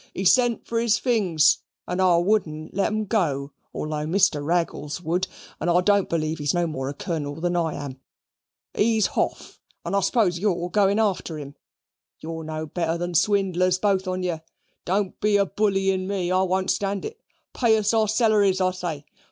"He sent for his things, and I wouldn't let 'em go, although Mr. Raggles would; and I don't b'lieve he's no more a Colonel than I am. He's hoff, and I suppose you're a goin' after him. You're no better than swindlers, both on you. Don't be a bullyin' ME. I won't stand it. Pay us our selleries, I say.